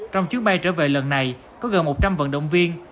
trong chuyến bay trở về lần này có gần một trăm linh vận động viên